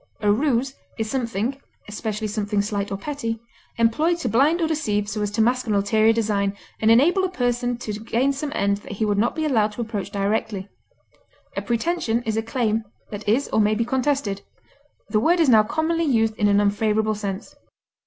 A ruse is something (especially something slight or petty) employed to blind or deceive so as to mask an ulterior design, and enable a person to gain some end that he would not be allowed to approach directly. A pretension is a claim that is or may be contested; the word is now commonly used in an unfavorable sense.